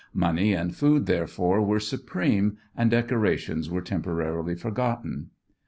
Money and food, therefore, were supreme, and decorations were temporarily forgotten.